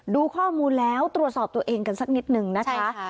ดูข้อมูลแล้วตรวจสอบตัวเองกันสักนิดนึงนะคะ